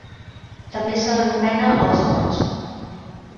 També se l'anomena els Horts.